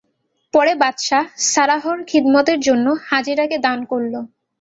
পরে বাদশাহ সারাহর খিদমতের জন্যে হাজেরাকে দান করল।